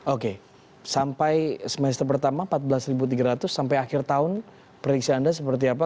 oke sampai semester pertama empat belas tiga ratus sampai akhir tahun prediksi anda seperti apa